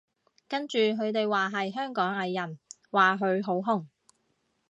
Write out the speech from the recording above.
跟住佢哋話係香港藝人，話佢好紅